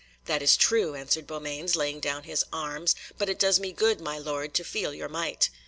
"That is true," answered Beaumains, laying down his arms, "but it does me good, my lord, to feel your might."